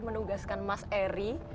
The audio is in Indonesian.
menugaskan mas eri